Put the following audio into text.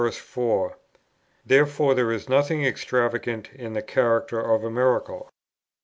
4. Therefore there is nothing extravagant in the character of the miracle.